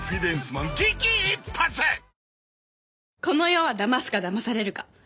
この世はだますかだまされるか。